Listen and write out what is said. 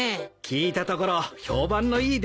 聞いたところ評判のいい